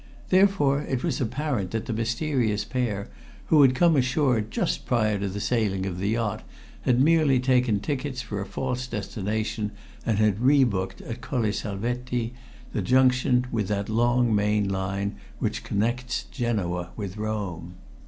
Therefore it was apparent that the mysterious pair who had come ashore just prior to the sailing of the yacht had merely taken tickets for a false destination, and had re booked at Colle Salvetti, the junction with that long main line which connects Genoa with Rome.